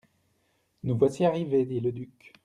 Nous voici arrivés, dit le duc.